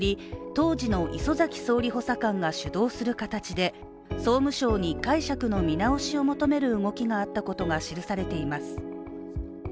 当時の礒崎総理補佐官が主導する形で総務省に解釈の見直しを求める動きがあったことが記されています。